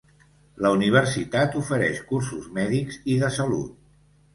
La universitat ofereix cursos mèdics i de salut.